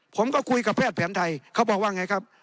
ผมก็คุยกับแพทย์แผนไทยเขาบอกว่าไงครับ